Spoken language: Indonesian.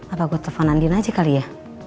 apa gue telpon andin aja kali ya